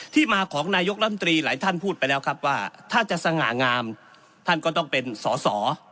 ที่มาของนายกรรมตรีหลายท่านพูดไปแล้วครับว่าถ้าจะสง่างามท่านก็ต้องเป็นสอสอ